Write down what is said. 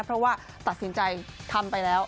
เพราะว่าตัดสินใจทำไปแล้ว